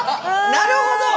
なるほど！